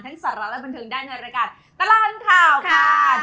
ให้รับสาระและบันทึงได้ในรายการตลอดข่าวครับ